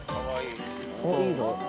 おっいいぞ。